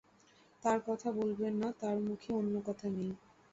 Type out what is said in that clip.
তাঁর কথা বলবেন না– তাঁর মুখে অন্য কথা নেই।